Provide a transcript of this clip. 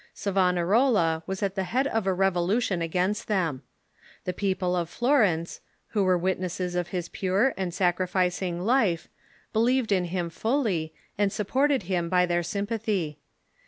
Savonarola was at the head of a revolution against them. The people of Florence, who were witnesses of his pure and sacri ficing life, believed in him fully, and supported him by their sympathy.